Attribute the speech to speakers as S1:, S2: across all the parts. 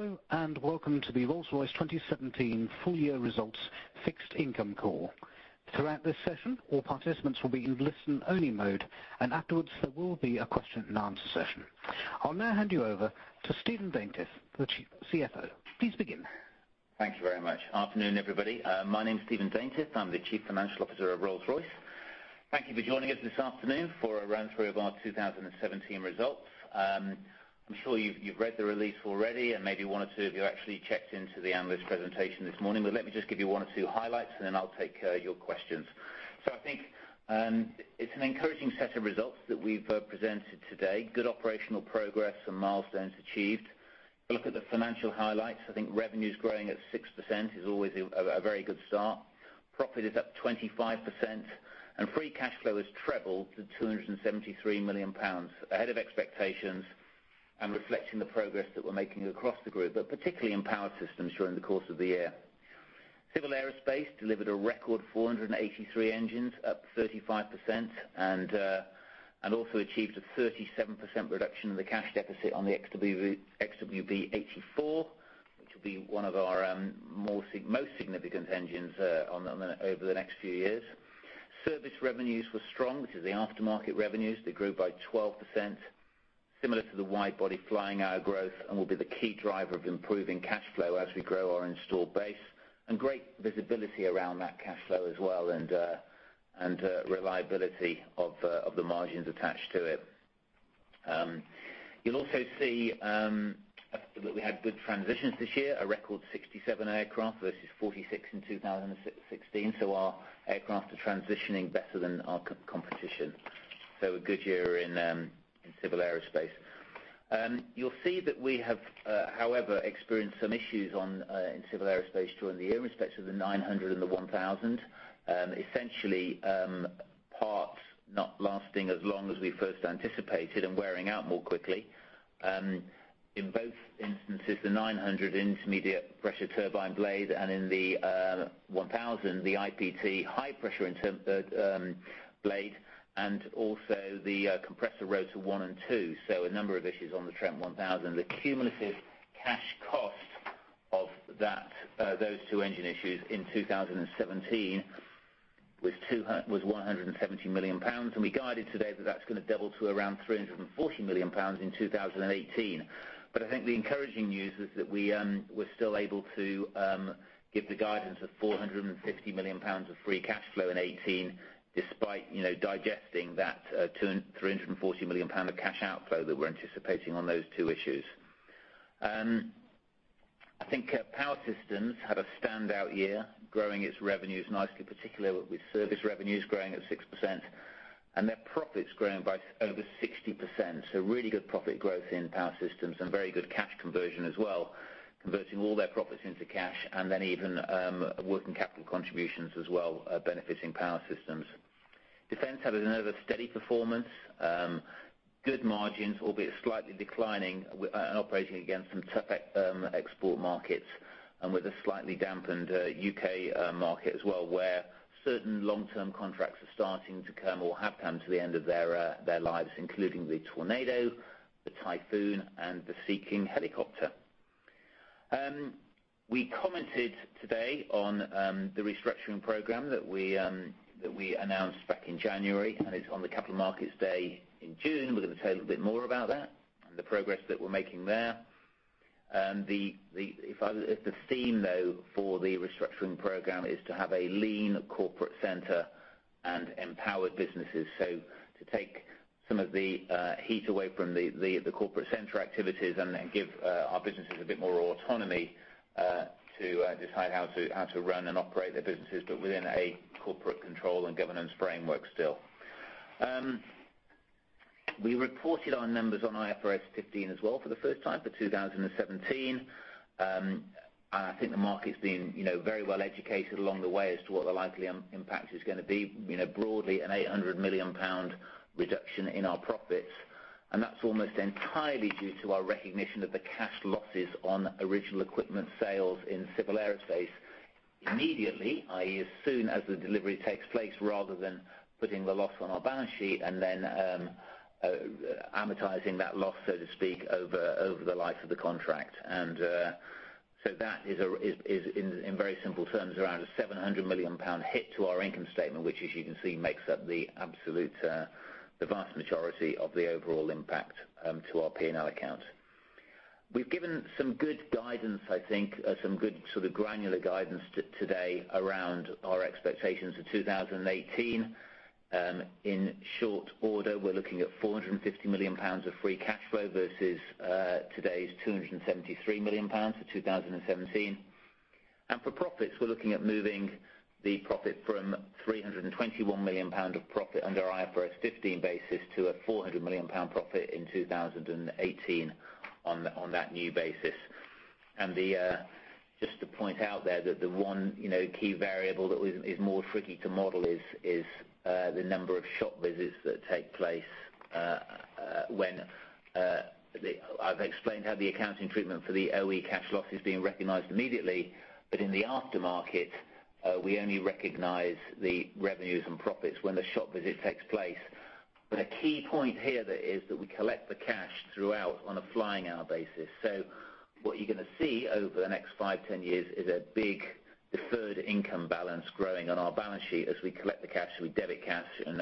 S1: Hello, welcome to the Rolls-Royce 2017 full year results Fixed Income call. Throughout this session, all participants will be in listen only mode, afterwards there will be a question and answer session. I'll now hand you over to Stephen Daintith, the chief CFO. Please begin.
S2: Thank you very much. Afternoon, everybody. My name's Stephen Daintith. I'm the Chief Financial Officer of Rolls-Royce. Thank you for joining us this afternoon for a run through of our 2017 results. I'm sure you've read the release already maybe one or two of you actually checked into the analyst presentation this morning, let me just give you one or two highlights then I'll take your questions. I think it's an encouraging set of results that we've presented today. Good operational progress and milestones achieved. If you look at the financial highlights, I think revenues growing at 6% is always a very good start. Profit is up 25% free cash flow has trebled to 273 million pounds, ahead of expectations reflecting the progress that we're making across the group, particularly in Power Systems during the course of the year. Civil Aerospace delivered a record 483 engines up 35% also achieved a 37% reduction in the cash deficit on the Trent XWB-84, which will be one of our most significant engines over the next few years. Service revenues were strong, which is the aftermarket revenues that grew by 12%, similar to the wide body flying hour growth will be the key driver of improving cash flow as we grow our installed base, great visibility around that cash flow as well reliability of the margins attached to it. You'll also see that we had good transitions this year, a record 67 aircraft versus 46 in 2016. Our aircraft are transitioning better than our competition. A good year in Civil Aerospace. You'll see that we have, however, experienced some issues in Civil Aerospace during the year in respect to the 900 and the 1000. Essentially, parts not lasting as long as we first anticipated wearing out more quickly. In both instances, the 900 intermediate pressure turbine blade in the 1000 the IPT high pressure blade, also the compressor rotor one and two. A number of issues on the Trent 1000. The cumulative cash cost of those two engine issues in 2017 was 170 million pounds we guided today that's going to double to around 340 million pounds in 2018. I think the encouraging news is that we were still able to give the guidance of 450 million pounds of free cash flow in 2018 despite digesting that 340 million pound of cash outflow that we're anticipating on those two issues. I think Power Systems had a standout year, growing its revenues nicely, particularly with service revenues growing at 6% their profits growing by over 60%. Really good profit growth in Power Systems and very good cash conversion as well, converting all their profits into cash and then even working capital contributions as well benefiting Power Systems. Defense had another steady performance. Good margins, albeit slightly declining and operating against some tough export markets and with a slightly dampened U.K. market as well, where certain long-term contracts are starting to come or have come to the end of their lives, including the Tornado, the Typhoon, and the Sea King helicopter. We commented today on the restructuring program that we announced back in January. It's on the capital markets day in June. We're going to tell you a little bit more about that and the progress that we're making there. The theme, though, for the restructuring program is to have a lean corporate center and empowered businesses. To take some of the heat away from the corporate center activities and then give our businesses a bit more autonomy to decide how to run and operate their businesses, but within a corporate control and governance framework still. We reported our numbers on IFRS 15 as well for the first time for 2017. I think the market's been very well educated along the way as to what the likely impact is going to be. Broadly a 800 million pound reduction in our profits, and that's almost entirely due to our recognition of the cash losses on original equipment sales in Civil Aerospace immediately, i.e., as soon as the delivery takes place rather than putting the loss on our balance sheet and then amortizing that loss, so to speak, over the life of the contract. That is, in very simple terms, around a 700 million pound hit to our income statement, which as you can see makes up the absolute vast majority of the overall impact to our P&L account. We've given some good guidance, I think, some good sort of granular guidance today around our expectations for 2018. In short order, we're looking at 450 million pounds of free cash flow versus today's 273 million pounds for 2017. For profits, we're looking at moving the profit from 321 million pound of profit under IFRS 15 basis to a 400 million pound profit in 2018 on that new basis. Just to point out there that the one key variable that is more tricky to model is the number of shop visits that take place when I've explained how the accounting treatment for the OE cash loss is being recognized immediately, but in the aftermarket, we only recognize the revenues and profits when the shop visit takes place. A key point here is that we collect the cash throughout on a flying hour basis. What you're going to see over the next five, 10 years is a big deferred income balance growing on our balance sheet as we collect the cash, we debit cash and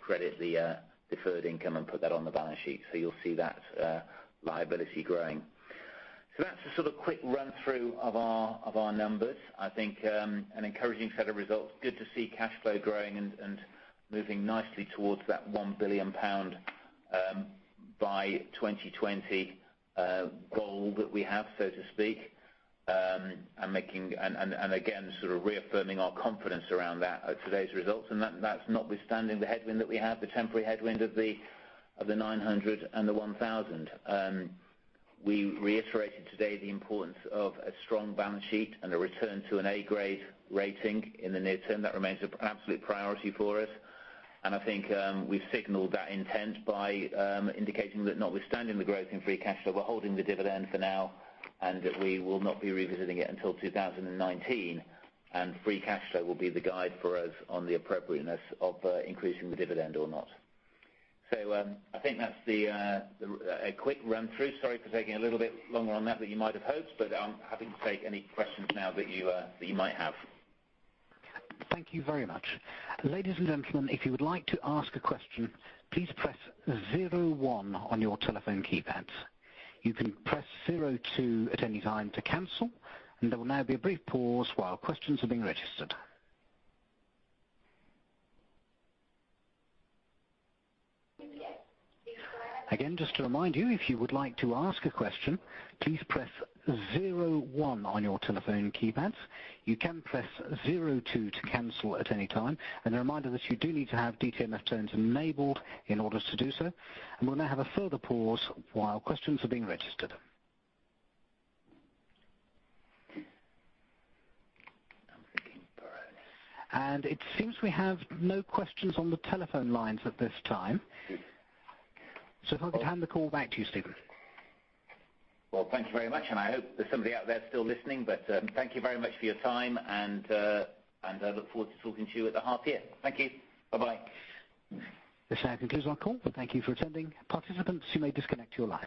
S2: credit the deferred income and put that on the balance sheet. You'll see that liability growing. That's a sort of quick run-through of our numbers. I think an encouraging set of results. Good to see cash flow growing and moving nicely towards that 1 billion pound by 2020 goal that we have, so to speak, and again, sort of reaffirming our confidence around that at today's results, and that's notwithstanding the temporary headwind of the 900 and the 1000. We reiterated today the importance of a strong balance sheet and a return to an A grade rating in the near term. That remains an absolute priority for us, and I think we've signaled that intent by indicating that notwithstanding the growth in free cash flow, we're holding the dividend for now and that we will not be revisiting it until 2019. Free cash flow will be the guide for us on the appropriateness of increasing the dividend or not. I think that's a quick run-through. Sorry for taking a little bit longer on that than you might have hoped. I'm happy to take any questions now that you might have.
S1: Thank you very much. Ladies and gentlemen, if you would like to ask a question, please press zero one on your telephone keypads. You can press zero two at any time to cancel. There will now be a brief pause while questions are being registered. Again, just to remind you, if you would like to ask a question, please press zero one on your telephone keypads. You can press zero two to cancel at any time. A reminder that you do need to have DTMF tones enabled in order to do so. We'll now have a further pause while questions are being registered. It seems we have no questions on the telephone lines at this time. If I could hand the call back to you, Stephen.
S2: Well, thank you very much. I hope there's somebody out there still listening. Thank you very much for your time. I look forward to talking to you at the half year. Thank you. Bye-bye.
S1: This now concludes our call. Thank you for attending. Participants, you may disconnect your lines.